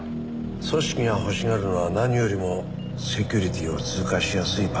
組織が欲しがるのは何よりもセキュリティーを通過しやすい爆弾だ。